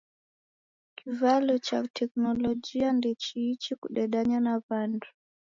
Kivalo cha teknolojia ndechiichi kudedanya na w'andu